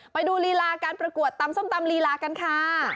ไปดูการปรากฏตำส้มตำรีลากันค่ะ